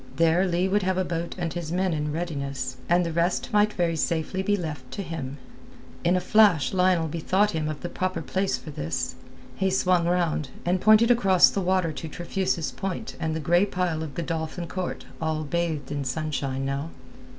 There Leigh would have a boat and his men in readiness, and the rest might very safely be left to him. In a flash Lionel bethought him of the proper place for this. He swung round, and pointed across the water to Trefusis Point and the grey pile of Godolphin Court all bathed in sunshine now.